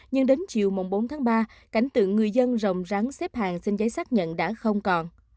nhưng đến chiều bốn tháng ba cảnh tượng người dân rồng rồng rắn xếp hàng xin giấy xác nhận đã không còn